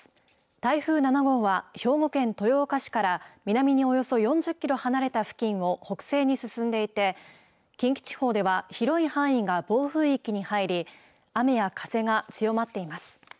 台風７号は、兵庫県豊岡市から、南におよそ４０キロ離れた付近を北西に進んでいて、近畿地方では広い範囲が暴風域に入り、雨や風が強まっています。